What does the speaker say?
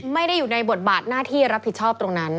ไม่ได้อยู่ในบทบาทหน้าที่รับผิดชอบตรงนั้น